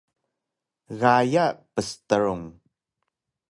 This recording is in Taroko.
Gaya pstrung